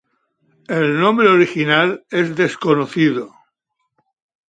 El nombre original es desconocido.